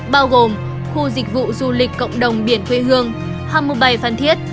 bao gồm khu dịch vụ du lịch cộng đồng biển khuê hương hàm mô bày phan thiết